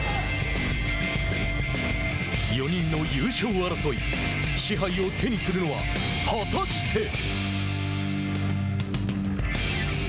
４人の優勝争い賜杯を手にするのは果たして。